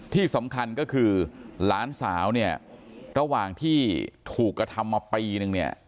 ที่สำคัญก็คือหลานสาวเนี่ยระหว่างที่ถูกกระทำมาปีนึงเนี่ย